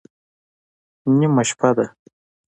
_نيمه شپه ده.